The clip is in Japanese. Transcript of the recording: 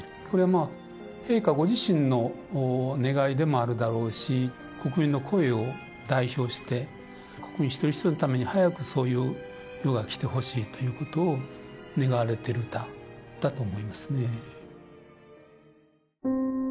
これはまあ陛下ご自身の願いでもあるだろうし国民の声を代表して国民一人一人のために早くそういう世が来てほしいということを願われてる歌だと思いますね。